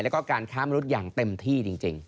แล้วก็การค้ามนุษย์อย่างเต็มที่จริง